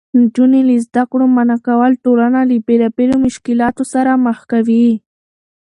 نجونې له زده کړو منعه کول ټولنه له بېلابېلو مشکلاتو سره مخ کوي.